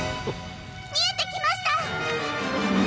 見えてきました！